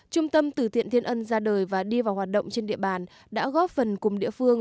trung tâm tử thiện thiên ân ra đời và đi vào hoạt động trên địa bàn đã góp phần cùng địa phương